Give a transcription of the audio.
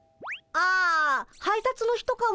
あ配達の人かも。